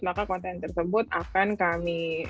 maka konten tersebut akan dikirimkan ke instagram